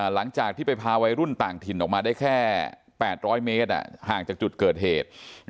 หลังจากที่ไปพาวัยรุ่นต่างถิ่นออกมาได้แค่๘๐๐เมตรห่างจากจุดเกิดเหตุ